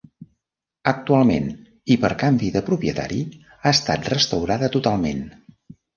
Actualment i per canvi de propietari ha estat restaurada totalment.